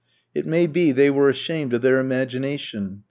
It may be they were ashamed of their imagination.